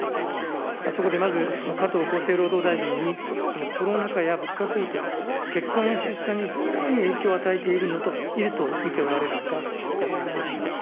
そこでまず、加藤厚生労働大臣に、このコロナ禍や物価高騰が、結婚や出産にどのような影響を与えていると見ておられるのか、お伺いをいたします。